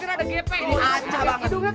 hidungnya kayak biateng